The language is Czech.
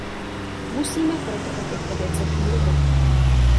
Musíme proto o těchto věcech mluvit.